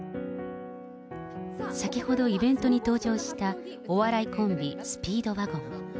先ほど、イベントに登場したお笑いコンビ、スピードワゴン。